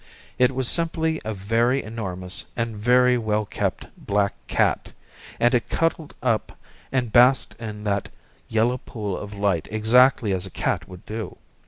It was simply a very enormous and very well kept black cat, and it cuddled up and basked in that yellow pool of light exactly as a cat would do.